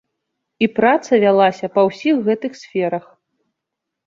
І праца вялася па ўсіх гэтых сферах.